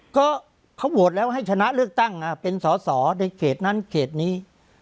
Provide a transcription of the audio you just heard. ก็เขาโหวตแล้วให้ชนะเลือกตั้งเป็นสอสอในเขตนั้นเขตนี้